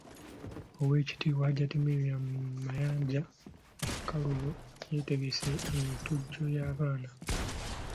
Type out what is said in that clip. Oweekitiibwa Hajat Mariam Mayanja Nkalubo yategese entujjo y’abaana.